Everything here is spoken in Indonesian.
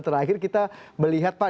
dan terakhir kita melihat pak